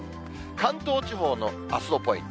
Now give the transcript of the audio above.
関東地方のあすのポイント。